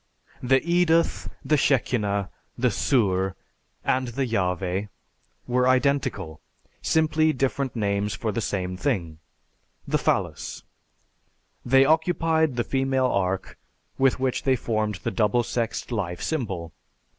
"The Eduth, the Shechina, the Tsur, and the Yahveh were identical; simply different names for the same thing, the phallus. They occupied the female ark with which they formed the double sexed life symbol.